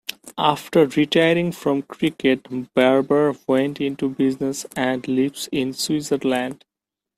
After retiring from cricket, Barber went into business and lives in Switzerland.